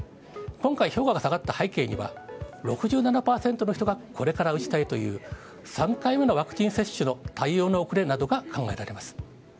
今回、評価が下がった背景には、６７％の人がこれから打ちたいという、３回目のワクチン接種の対応の遅れなどが考えられます。